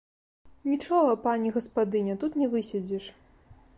Нічога, пані гаспадыня, тут не выседзіш.